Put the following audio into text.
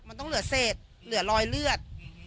มันต้องเหลือเศษเหลือรอยเลือด